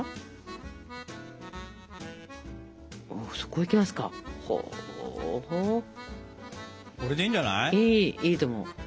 いいいいと思う。